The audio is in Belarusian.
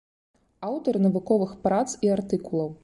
Аўтар навуковых прац і артыкулаў.